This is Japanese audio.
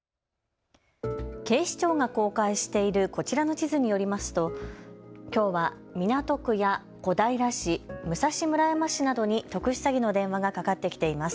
警視庁が公開しているこちらの地図によりますときょうは港区や小平市、武蔵村山市などに特殊詐欺の電話がかかってきています。